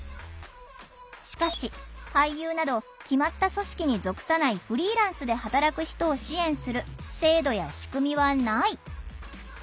しかし俳優など決まった組織に属さないフリーランスで働く人を支援する制度や仕組みはない。